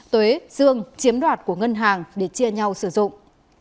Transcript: quế dương chiếm đoạt của ngân hàng để chia nhau sử dụng